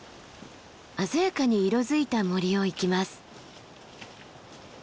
鮮やかに色づいた森を行きます。